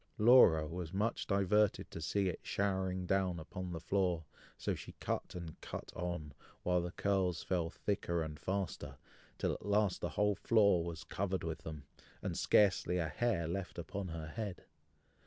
Laura was much diverted to see it showering down upon the floor, so she cut and cut on, while the curls fell thicker and faster, till at last the whole floor was covered with them, and scarcely a hair left upon her head.